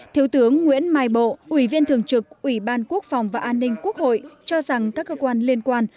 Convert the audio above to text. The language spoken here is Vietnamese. thiếu tướng nguyễn mai bộ ủy viên thường trực ủy ban quốc phòng và an ninh quốc hội cho rằng các cơ quan liên quan